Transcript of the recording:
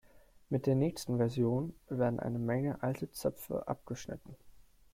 Mit der nächsten Version werden eine Menge alte Zöpfe abgeschnitten.